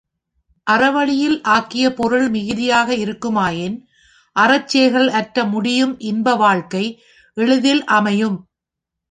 அறவழியில் ஆக்கிய பொருள் மிகுதியாக இருக்குமாயின் அறச்செயல்கள் ஆற்ற முடியும் இன்ப வாழ்க்கை எளிதில் அமையும்.